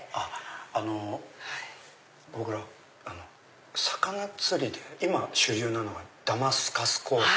あの僕ら魚釣りで今主流なのがダマスカス鋼材。